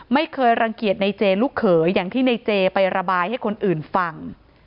ไม่เคยรังเกียจในเจลูกเขยอย่างที่ในเจไประบายให้คนอื่นฟัง